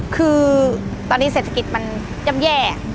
คือตอนนี้เศรษฐกิจมันย่ำแย่